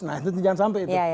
nah itu jangan sampai itu